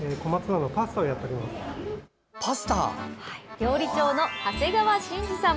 料理長の長谷川信二さん。